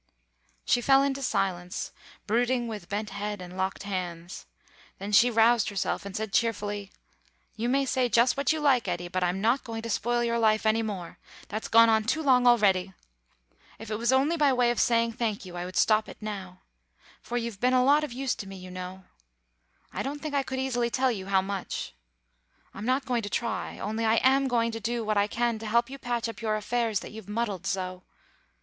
She fell into silence, brooding with bent head and locked hands. Then she roused herself, and said cheerfully, "You may say just what you like, Eddy, but I'm not going to spoil your life any more. That's gone on too long already. If it was only by way of saying thank you, I would stop it now. For you've been a lot of use to me, you know. I don't think I could easily tell you how much. I'm not going to try; only I am going to do what I can to help you patch up your affairs that you've muddled so.